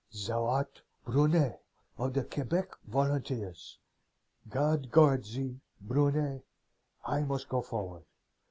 Thou art Brunet of the Quebec Volunteers. God guard thee, Brunet! I must go forward.